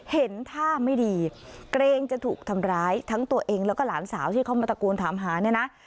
เห็นท่าไม่ดีเกรงจะถูกทำร้ายทั้งตัวเองแล้วก็หลานสาวที่เขามาตะโกนถามหาเนี่ยนะ